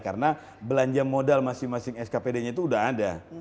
karena belanja modal masing masing skpd nya itu sudah ada